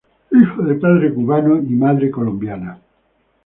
Hijo de padre cubano y madre colombiana.